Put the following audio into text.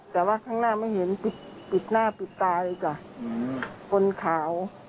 แต่ว่าข้างหน้าไม่เห็นปิดหน้าปิดตาเลยจ้ะคนขาว